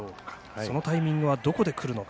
そのタイミングはどこでくるのか